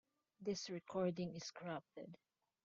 This recording is corrupted.